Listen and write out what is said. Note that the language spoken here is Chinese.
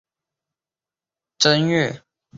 时万历辛己岁正月十九日也。